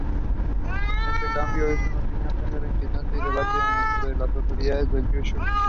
Este cambio de opinión generó inquietudes y debates entre las autoridades del Yishuv.